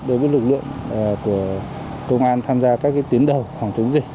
đối với lực lượng của công an tham gia các tuyến đầu phòng chống dịch